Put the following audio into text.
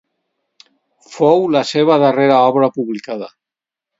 Fou la seva darrera obra publicada.